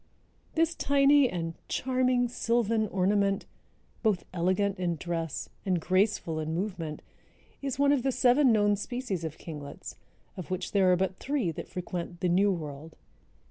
This tiny and "charming sylvan ornament," both elegant in dress and graceful in movement, is one of the seven known species of kinglets, of which there are but three that frequent the New World.